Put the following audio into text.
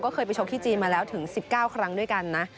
เคยไปชกที่จีนมาแล้วถึง๑๙ครั้งด้วยกันนะ